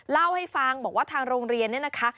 เล่าให้ฟังบอกว่าทางโรงเรียนเนี่ยนะคะ